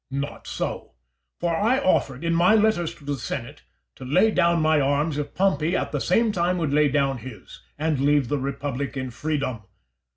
Caesar. Not so, for I offered, in my letters to the senate, to lay down my arms if Pompey at the same time would lay down his, and leave the republic in freedom.